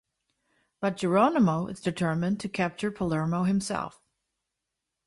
But Jeronimo is determined to capture Palermo himself.